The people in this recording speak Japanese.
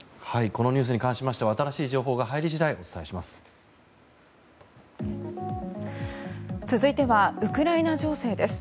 このニュースに関しては新しい情報が入り次第お伝えします。